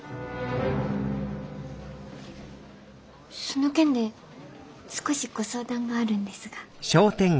その件で少しご相談があるんですが。